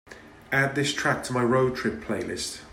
add this track to my road trip playlist